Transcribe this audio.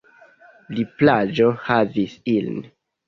La plaĝo ravis ilin.